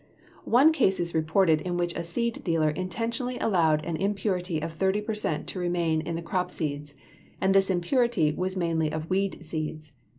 One case is reported in which a seed dealer intentionally allowed an impurity of 30 per cent to remain in the crop seeds, and this impurity was mainly of weed seeds.